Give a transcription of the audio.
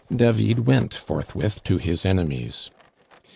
David went forthwith to his enemies.